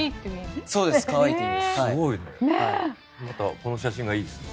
この写真がいいですね。